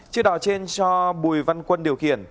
chiếc đò trên cho bùi văn quân điều khiển